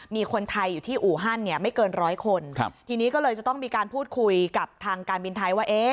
มีคนไทยอยู่ที่อู่ฮั่นเนี่ยไม่เกินร้อยคนครับทีนี้ก็เลยจะต้องมีการพูดคุยกับทางการบินไทยว่า